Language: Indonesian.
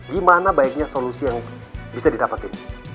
gimana baiknya solusi yang bisa didapatin